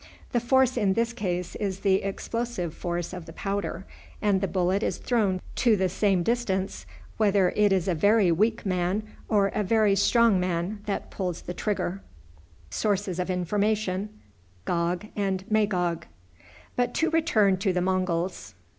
The force in this case is the explosive force of the powder, and the bullet is thrown to the same distance whether it is a very weak man or a very strong man that pulls the trigger. But to return to the Monguls.